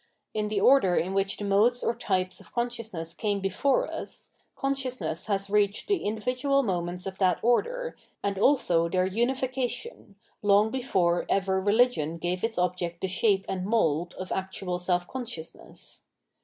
In the order in which the modes or types of consciousness came before ns, consciousness has reached the individual moments of that order, and also their unification, long before ever religion gave its object the shape and mould of actual self consciousness.